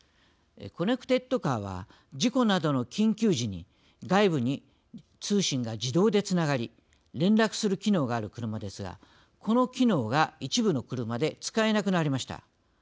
コネクテッドカーは事故などの緊急時に外部に通信が自動でつながり連絡する機能がある車ですがこの機能が一部の車で使えなくなりました。